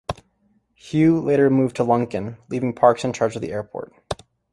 Hugh later moved to Lunken, leaving Parks in charge of the airport.